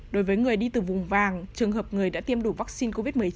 đối với người đi từ vùng vàng trường hợp người đã tiêm đủ vaccine covid một mươi chín